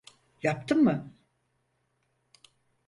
Yaptım mı?